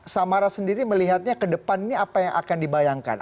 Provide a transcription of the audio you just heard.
samara sendiri melihatnya kedepannya apa yang akan dibayangkan